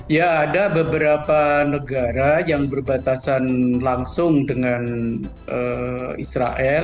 ya ada beberapa negara yang berbatasan langsung dengan israel